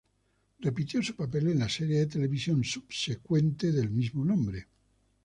Repitió su papel en la serie de televisión subsecuente del mismo nombre.